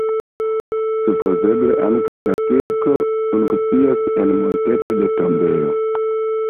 Supozeble ankaŭ la kirko funkciis en monteto de tombejo.